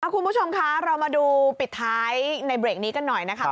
คุณผู้ชมคะเรามาดูปิดท้ายในเบรกนี้กันหน่อยนะคะ